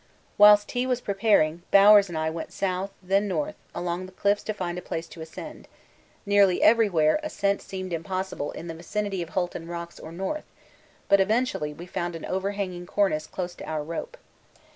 Whilst tea was preparing, Bowers and I went south, then north, along the cliffs to find a place to ascend nearly everywhere ascent seemed impossible in the vicinity of Hulton Rocks or north, but eventually we found an overhanging cornice close to our rope.